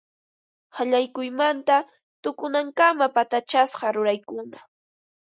Qallaykuymanta tukunankama patachasqa ruraykuna